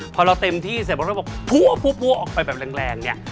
พอเราเต็มที่เสร็จแล้วบอกพัวออกไปแบบแรงเนี่ย